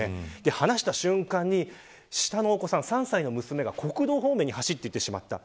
離した瞬間に下のお子さん、３歳の娘が国道方面に走っていってしまった。